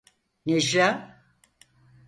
Necla!